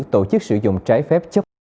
tổ chức sử dụng trái phép chấp hợp